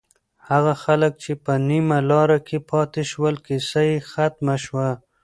هغه خلک چې په نیمه لاره کې پاتې شول، کیسه یې ختمه شوه.